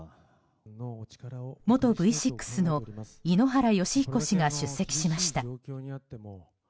元Ｖ６の井ノ原快彦氏が出席しました。